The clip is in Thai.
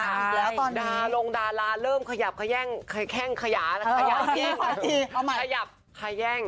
แล้วตอนนี้ดารงดาราเริ่มขยับขย่างแข่งขยาขยับขย่าง